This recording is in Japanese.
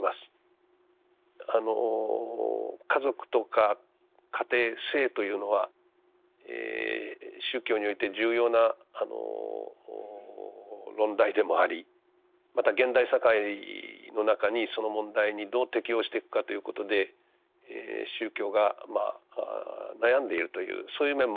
家族とか家庭性というのは宗教において重要な論題でもありまた現代社会の中にその問題にどう適応していくかということで宗教が悩んでいるというそういう面もある問題かと思います。